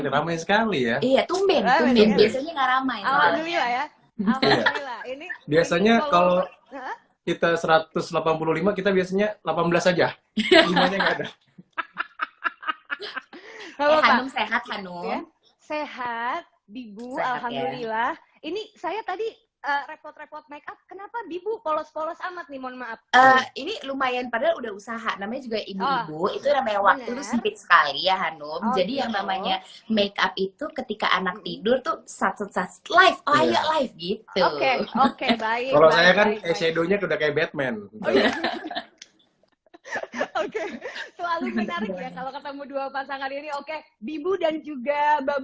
waalaikumsalam wr wb